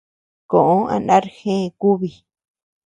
Koʼö a ndar gea kubi.